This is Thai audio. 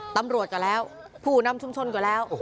ตำรวจก็แล้วผู้นำชุมชนก็แล้ว